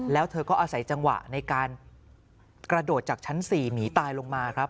แล้วเธอก็อาศัยจังหวะในการกระโดดจากชั้น๔หนีตายลงมาครับ